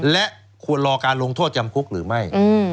และควรรอการลงโทษจำคุกหรือไม่